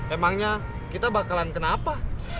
emangnya kita bakalan kenapa